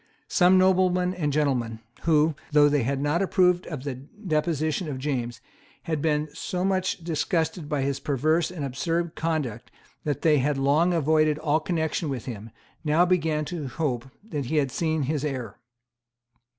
Some noblemen and gentlemen, who, though they had not approved of the deposition of James, had been so much disgusted by his perverse and absurd conduct that they had long avoided all connection with him, now began to hope that he had seen his error.